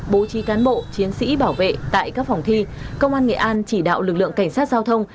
bố trí cán bộ chiến sĩ bảo vệ tại các phòng thi công an nghệ an chỉ đạo lực lượng cảnh sát giao thông